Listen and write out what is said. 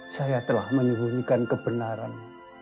saya telah menyembunyikan kebenaran